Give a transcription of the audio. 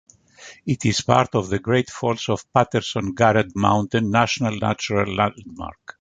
It is part of the Great Falls of Paterson-Garret Mountain National Natural Landmark.